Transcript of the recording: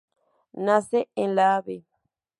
Nace en la Av.